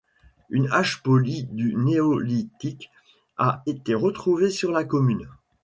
Une hache polie du Néolithique a été retrouvée sur la commune.